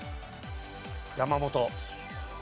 山本。